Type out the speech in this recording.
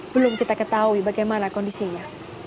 belum kita ketahui bagaimana kondisinya